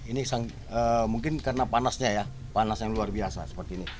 ini mungkin karena panasnya ya panas yang luar biasa seperti ini